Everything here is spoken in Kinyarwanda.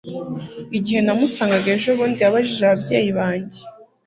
Igihe namusangaga ejobundi yabajije ababyeyi banjye